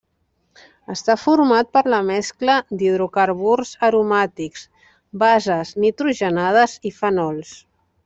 Està format per la mescla d'hidrocarburs aromàtics, bases nitrogenades i fenols.